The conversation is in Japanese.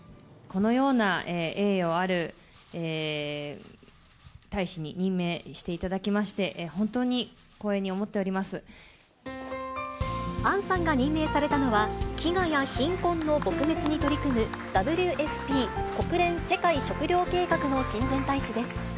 このような栄誉ある大使に任命していただきまして、本当に光杏さんが任命されたのは、飢餓や貧困の撲滅に取り組む、ＷＦＰ・国連世界食糧計画の親善大使です。